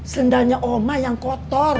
sendhanya oma yang kotor